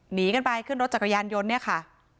หนีกันไปขึ้นรถจักรยานยนต์เนี่ยค่ะ